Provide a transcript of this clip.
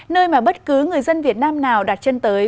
nơi mà bất cứ người dân việt nam nào đặt chân tới